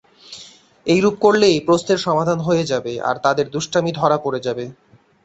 এইরূপ করলেই প্রশ্নের সমাধান হয়ে যাবে, আর তাদের দুষ্টামি ধরা পড়ে যাবে।